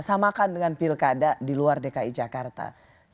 samakan dengan pilkada di luar dki jakarta